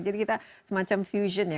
jadi kita semacam fusion ya